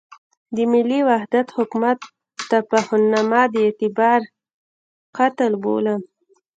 د ملي وحدت حکومت تفاهمنامه د اعتبار قتل بولم.